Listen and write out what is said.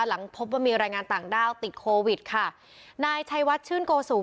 หลังพบว่ามีรายงานต่างด้าวติดโควิดค่ะนายชัยวัดชื่นโกสุ